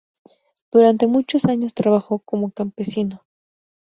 Durante muchos años trabajó como campesino.